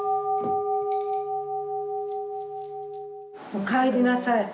おかえりなさい。